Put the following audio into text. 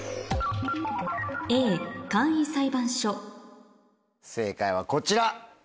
「Ａ簡易裁判所」正解はこちら。